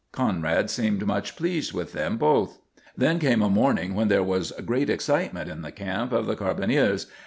Conrad seemed much pleased with them both. Then came a morning when there was great excitement in the camp of the carbineers.